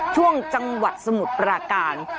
ช่วงจังหวัดสมุทรปราการ